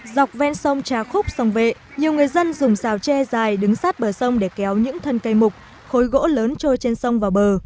dọc ven sông trà khúc sông vệ nhiều người dân dùng xào tre dài đứng sát bờ sông để kéo những thân cây mục khối gỗ lớn trôi trên sông vào bờ